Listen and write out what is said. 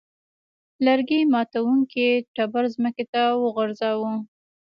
لرګي ماتوونکي تبر ځمکې ته وغورځاوه.